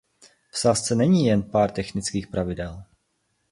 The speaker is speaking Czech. V sázce není jen pár technických pravidel.